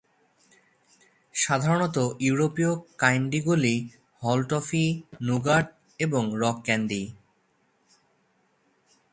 সাধারণত, ইউরোপীয় ক্যান্ডিগুলি হল টফি, নুগাট এবং রক ক্যান্ডি।